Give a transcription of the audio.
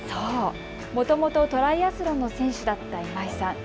もともとトライアスロンの選手だった今井さん。